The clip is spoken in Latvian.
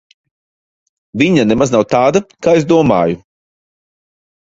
Viņa nemaz nav tāda, kā es domāju.